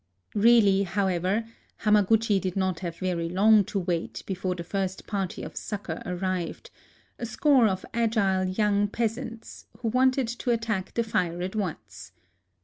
Keally, however, Hamaguchi did not have very long to wait before the first party of suc cor arrived, — a score of agile young peas ants, who wanted to attack the fire at once.